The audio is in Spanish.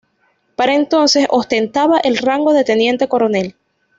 Para entonces ostentaba el rango de teniente coronel.